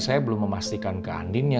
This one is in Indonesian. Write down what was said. saya belum memastikan ke andinnya